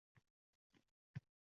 Aks etdi cho’g’day yonib.